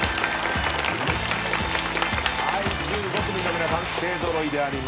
１５組の皆さん勢揃いであります。